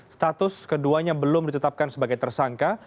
status keduanya belum ditetapkan sebagai tersangka